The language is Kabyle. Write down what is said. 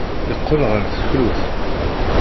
Yeqqel ɣer teklut.